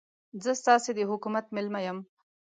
زه ستاسې د حکومت مېلمه یم.